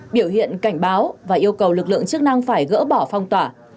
biểu hiện cảnh báo và yêu cầu lực lượng chức năng phải gỡ bỏ phong tỏa